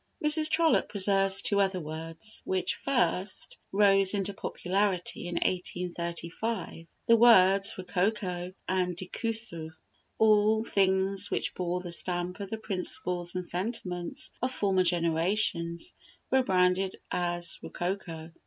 Mrs. Trollope preserves two other words, which first rose into popularity in 1835 the words rococo and décousu. All things which bore the stamp of the principles and sentiments of former generations were branded as rococo.